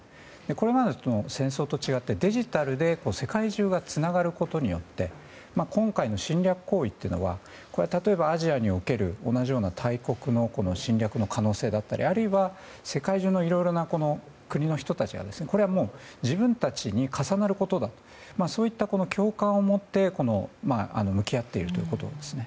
これまでの戦争と違ってデジタルで世界中がつながることによって今回の侵略行為というのは例えば、アジアにおける同じような大国の侵略の可能性だったりあるいは世界中のいろいろな国の人たちがこれはもう自分たちに重なることだとそういった共感を持って向き合っているということですね。